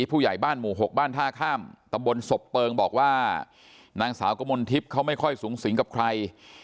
ผู้ใหญ่บ้านหมู่๖บ้านท่าข้ามตำบลศพเปิงบอกว่านางสาวกมลทิพย์เขาไม่ค่อยสูงสิงกับใคร